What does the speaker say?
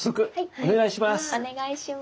お願いします。